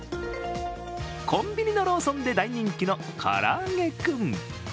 コンビニのローソンで大人気のからあげクン。